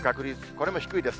これも低いです。